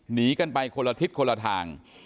หนีกันไปคนละทิศคนละทาง